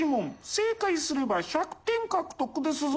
正解すれば１００点獲得ですぞ。